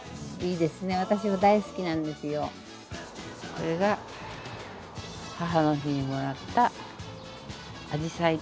これが母の日にもらったアジサイです。